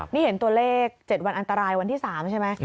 นี่เห็นตัวเลข๗วันอันตรายวันที่๓ใช่ไหม